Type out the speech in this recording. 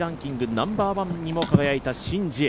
ナンバーワンにも輝いたシン・ジエ。